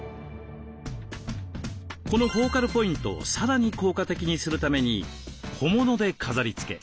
このフォーカルポイントをさらに効果的にするために小物で飾りつけ。